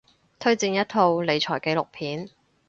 推薦一套理財紀錄片